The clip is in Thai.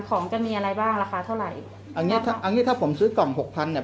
ของจะมีอะไรบ้างราคาเท่าไหร่เอางี้เอางี้ถ้าผมซื้อกล่องหกพันเนี้ย